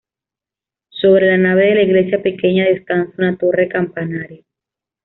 Sobre la nave de la iglesia pequeña descansa una torre campanario.